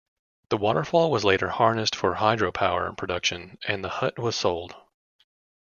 The waterfall was later harnessed for hydropower production and the hut was sold.